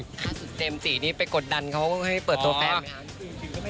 ล่าสุดเจมส์จีนี่ไปกดดันเขาให้เปิดตัวแฟนไหมคะ